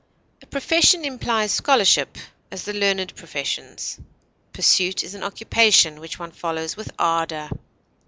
A profession implies scholarship; as, the learned professions. Pursuit is an occupation which one follows with ardor.